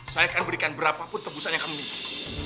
saya akan berikan berapapun tebusan yang kamu inginkan